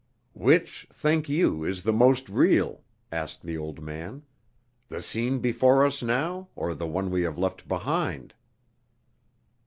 "Which, think you, is the most real," asked the old man, "the scene before us now, or the one we have left behind?"